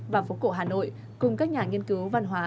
và phố cổ hà nội cùng các nhà nghiên cứu văn hóa